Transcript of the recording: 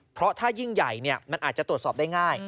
เพราะถ้ายิ่งใหญ่มันอาจจะตรวจสอบได้ง่าย